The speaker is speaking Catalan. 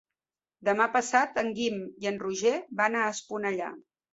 Demà passat en Guim i en Roger van a Esponellà.